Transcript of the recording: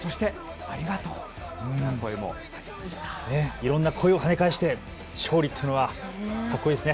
いろんな声をはね返して勝利というのはかっこいいですね。